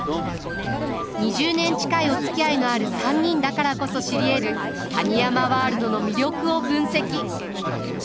２０年近いおつきあいのある３人だからこそ知りえる谷山ワールドの魅力を分析！